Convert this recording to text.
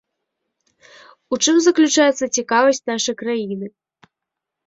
У чым заключаецца цікавасць нашай краіны?